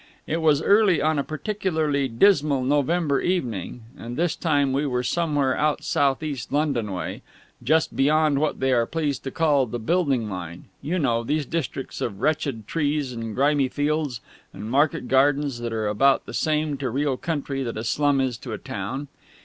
It was early on a particularly dismal November evening, and this time we were somewhere out south east London way, just beyond what they are pleased to call the building line you know these districts of wretched trees and grimy fields and market gardens that are about the same to real country that a slum is to a town.